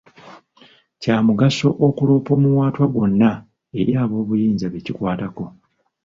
Kya mugaso okuloopa omuwaatwa gwonna eri aboobuyinza be kikwatako.